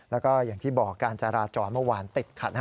แล้วก็อย่างที่บอกการจราจรเมื่อวานติดขัด